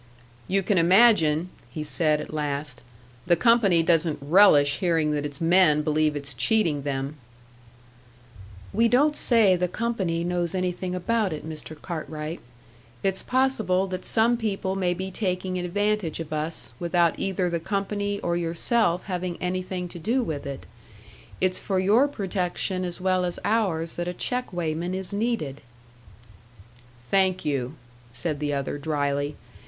"You can imagine," he said, at last, "the company doesn't relish hearing that its men believe it's cheating them " "We don't say the company knows anything about it, Mr. Cartwright. It's possible that some people may be taking advantage of us, without either the company or yourself having anything to do with it. It's for your protection as well as ours that a check weighman is needed." "Thank you," said the other, drily.